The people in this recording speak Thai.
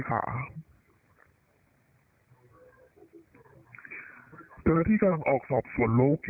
เธอที่กำลังออกสอบสวนลูกอยู่